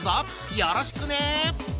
よろしくね！